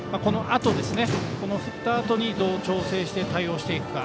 この振ったあとにどう調整して対応していくか。